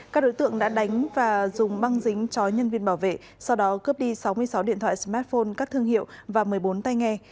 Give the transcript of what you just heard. các đối tượng đã đánh và dùng băng dính chói nhân viên bảo vệ sau đó cướp đi sáu mươi sáu điện thoại smartphone các thương hiệu và một mươi bốn tay nghe